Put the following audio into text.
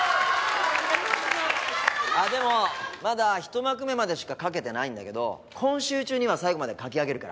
あっでもまだ一幕目までしか書けてないんだけど今週中には最後まで書き上げるから。